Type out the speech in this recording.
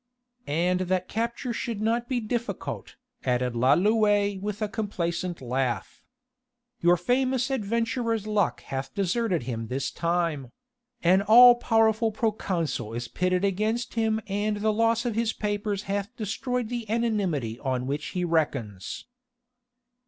"And that capture should not be difficult," added Lalouët with a complacent laugh. "Your famous adventurer's luck hath deserted him this time: an all powerful proconsul is pitted against him and the loss of his papers hath destroyed the anonymity on which he reckons."